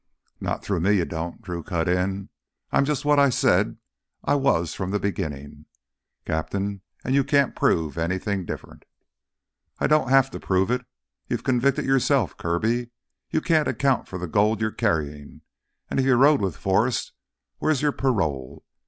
"Not through me, you don't," Drew cut in. "I'm just what I said I was from the beginnin', Captain. And you can't prove anything different." "I don't have to prove it; you've convicted yourself, Kirby. You can't account for the gold you're carrying. And, if you rode with Forrest, where's your parole?